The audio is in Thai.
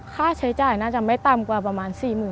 ค่าใช้จ่ายน่าจะไม่ต่ำกว่าประมาณ๔๐๐๐